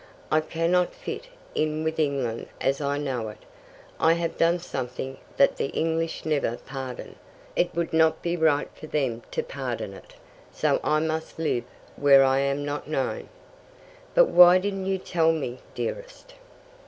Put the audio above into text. I cannot fit in with England as I know it. I have done something that the English never pardon. It would not be right for them to pardon it. So I must live where I am not known." "But why didn't you tell me, dearest?"